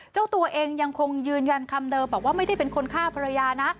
เจ้าตัวเองยังคงยืนยันคำเดิมบอกว่าไม่ได้เป็นคนฆ่าภรรยานะ